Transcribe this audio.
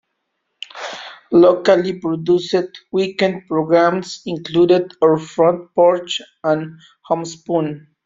Locally produced weekend programs include Our Front Porch and Homespun.